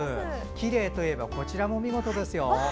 きれいといえばこちらも見事です。